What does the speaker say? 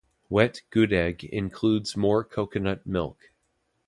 Wet gudeg includes more coconut milk.